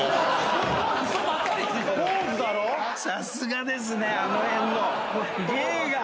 さすがですねあのへんの芸が。